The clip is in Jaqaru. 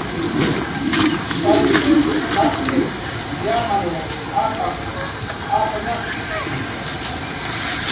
"Shallq jaqiq llamanw apap"" apnaq""ki"